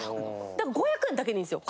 ５００円だけでいいんですよ。